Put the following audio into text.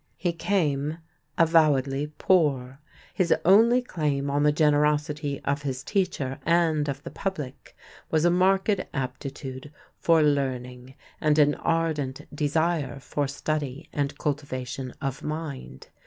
He came, avowedly poor. His only claim on the generosity of his teacher and of the public was a marked aptitude for learning and an ardent desire for study and cultivation of mind.